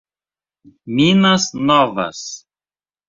Minas Novas